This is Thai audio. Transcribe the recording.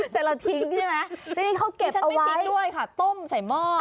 แต่เราทิ้งใช่ไหมทีนี้เขาเก็บเอาไว้ดิฉันไม่เคยด้วยค่ะต้มใส่หม้อค่ะ